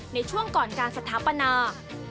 ในช่วงก่อนการสถาปนา